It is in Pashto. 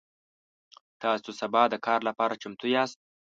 تاسو سبا د کار لپاره چمتو یاست؟